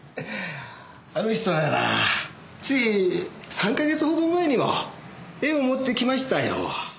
あの人ならつい３か月ほど前にも絵を持って来ましたよ。